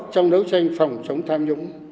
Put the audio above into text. trong đấu tranh phòng chống tham nhũng